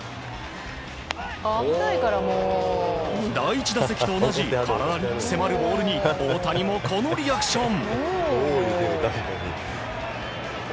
第１打席と同じ体に迫るボールに大谷もこのリアクション。